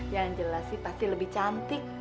yang jelas sih pasti lebih cantik